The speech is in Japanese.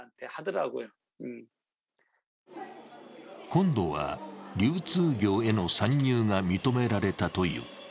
今度は流通業への参入が認められたという。